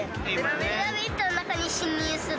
ピラミッドの中に侵入する。